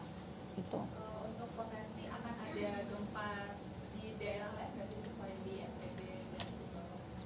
untuk potensi akan ada gempa di dl fbd dan subawang